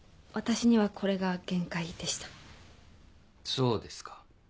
そうですか。